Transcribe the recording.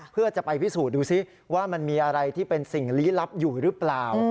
เพื่อจะไปพิสูจน์ดูซิว่ามันมีอะไรที่เป็นสิ่งลี้ลับอยู่หรือเปล่า